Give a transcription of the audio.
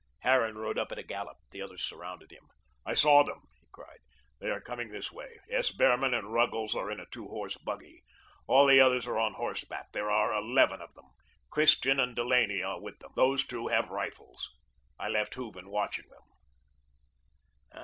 Harran rode up at a gallop. The others surrounded him. "I saw them," he cried. "They are coming this way. S. Behrman and Ruggles are in a two horse buggy. All the others are on horseback. There are eleven of them. Christian and Delaney are with them. Those two have rifles. I left Hooven watching them."